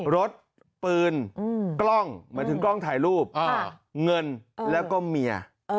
รถปืนกล้องหมายถึงกล้องถ่ายรูปเงินแล้วก็เมีย